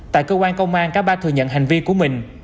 tại cơ quan công an cả ba thừa nhận hành vi của mình